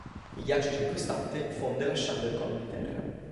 Il ghiaccio circostante fonde lasciando il cono di terra.